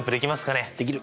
できる！